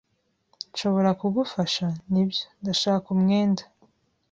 "Nshobora kugufasha?" "Nibyo, ndashaka umwenda."